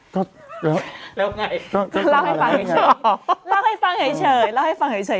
ก็แล้วไงเล่าให้ฟังให้เฉยเล่าให้ฟังให้เฉย